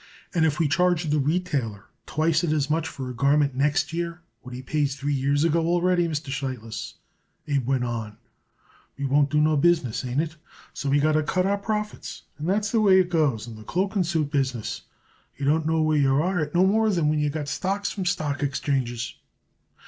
"And if we charge the retailer twicet as much for a garment next year what he pays three years ago already, Mr. Sheitlis," Abe went on, "we won't do no business. Ain't it? So we got to cut our profits, and that's the way it goes in the cloak and suit business. You don't know where you are at no more than when you got stocks from stock exchanges."